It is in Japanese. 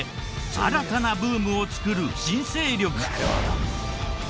新たなブームを作る新勢力。